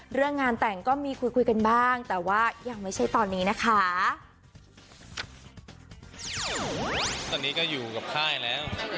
เรื่องงานแต่งก็มีคุยคุยกันบ้างแต่ว่ายังไม่ใช่ตอนนี้นะคะ